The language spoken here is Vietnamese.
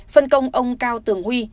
phân công ông cao tường huy